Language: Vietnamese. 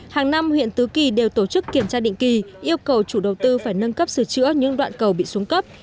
hàng năm huyện tứ kỳ đều tổ chức kiểm tra định kỳ yêu cầu chủ đầu tư phải nâng cấp sửa chữa những đoạn cầu bị xuống cấp